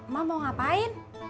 mak mau ngapain